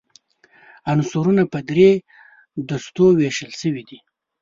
عنصرونه په درې دستو ویشل شوي دي.